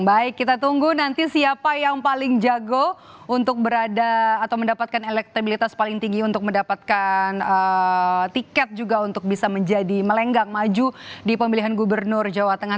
baik kita tunggu nanti siapa yang paling jago untuk berada atau mendapatkan elektabilitas paling tinggi untuk mendapatkan tiket juga untuk bisa menjadi melenggang maju di pemilihan gubernur jawa tengah